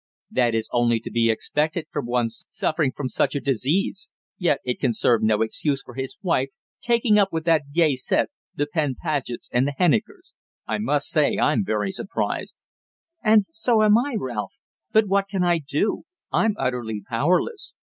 "That is only to be expected from one suffering from such a disease. Yet it can serve no excuse for his wife taking up with that gay set, the Penn Pagets and the Hennikers. I must say I'm very surprised." "And so am I, Ralph. But what can I do? I'm utterly powerless.